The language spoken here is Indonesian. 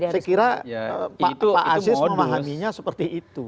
saya kira pak anies memahaminya seperti itu